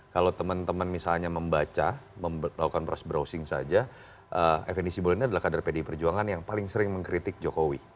kalau teman teman misalnya membaca melakukan proses browsing saja fnd simbolon ini adalah kader pdi perjuangan yang paling sering mengkritik jokowi